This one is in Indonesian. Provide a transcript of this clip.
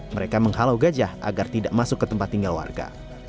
mereka menghalau gajah agar tidak masuk ke tempat tinggal warga